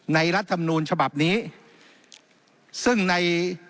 รัฐธรรมนูลฉบับนี้ซึ่งใน